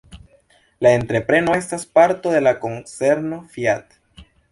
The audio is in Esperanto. La entrepreno estas parto de la konzerno Fiat.